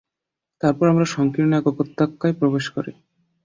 তারপর আমরা সংকীর্ণ এক উপত্যকায় প্রবেশ করি।